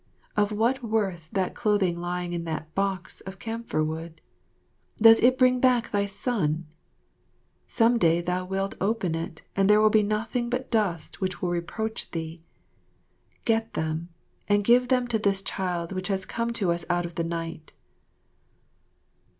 Of what worth that clothing lying in that box of camphor wood? Does it bring back thy son? Some day thou wilt open it, and there will be nothing but dust which will reproach thee. Get them and give them to this child which has come to us out of the night."